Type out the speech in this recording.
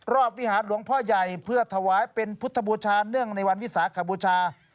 วิหารหลวงพ่อใหญ่เพื่อถวายเป็นพุทธบูชาเนื่องในวันวิสาขบูชา